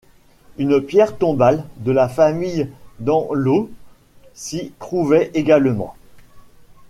Une pierre tombale de la famille d'Andlau s'y trouvait également.